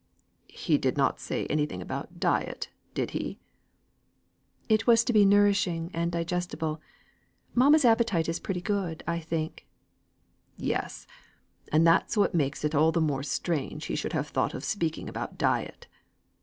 "He did not say anything about diet, did he?" "It was to be nourishing, and digestible. Mamma's appetite is pretty good, I think." "Yes! and that makes it all the more strange he should have thought of speaking about diet."